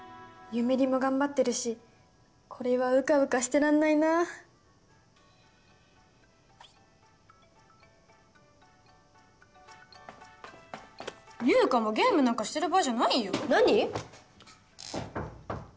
ゆめ莉も頑張ってるしこれはうかうかしてらんないな優佳もゲームなんかしてる場合じゃないよ何？